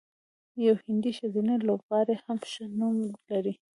یوه هندۍ ښځینه لوبغاړې هم ښه نوم لري.